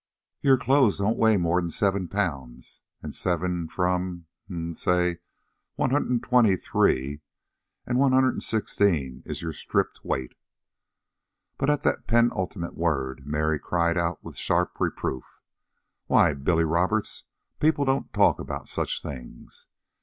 "Your clothes don't weigh more'n seven pounds. And seven from hum say one hundred an' twenty three one hundred an' sixteen is your stripped weight." But at the penultimate word, Mary cried out with sharp reproof: "Why, Billy Roberts, people don't talk about such things."